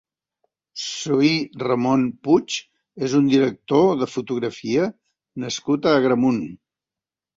Ssoí Ramon Puig és un director de fotografia nascut a Agramunt.